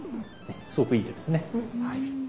すごくいい手ですね。